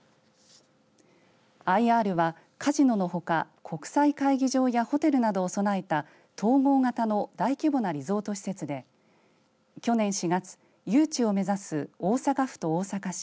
ＩＲはカジノのほか国際会議場やホテルなどを備えた統合型の大規模なリゾート施設で去年４月誘致を目指す大阪府と大阪市